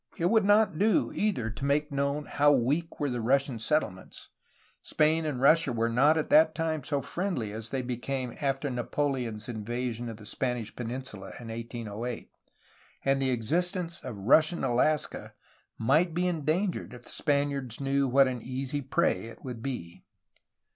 It would not do, either, to make known how weak were the Russian settlements; Spain and Russia were not at that time so friendly as they became after Napoleon's in vasion of the Spanish peninsula in 1808, and the existence of Russian Alaska might be endangered if the Spaniards knew what an easy prey it would be.